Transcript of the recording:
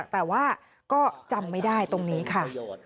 แต่ว่าก็จำไม่ได้ตรงนี้ค่ะ